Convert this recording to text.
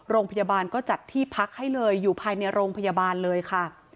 โรงพยาบาลก็จัดที่พักให้เลยอยู่ภายในโรงพยาบาลเลยค่ะ